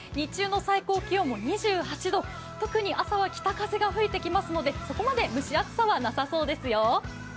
最高気温も２８度、特に朝は北風が吹いてきますのでそこまで蒸し暑さはなさそうです。